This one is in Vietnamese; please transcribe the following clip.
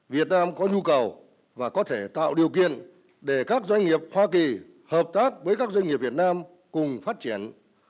việt nam có nhu cầu và có thể tạo điều kiện để các doanh nghiệp hoa kỳ hợp tác với các doanh nghiệp việt nam cùng phát triển